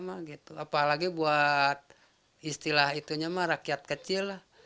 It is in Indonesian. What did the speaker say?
apalagi buat istilah itunya mah rakyat kecil lah